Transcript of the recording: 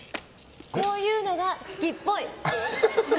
こういうのが好きっぽい。